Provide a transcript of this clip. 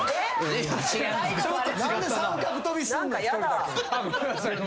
えっ！？